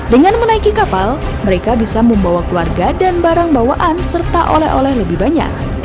dengan menaiki kapal mereka bisa membawa keluarga dan barang bawaan serta oleh oleh lebih banyak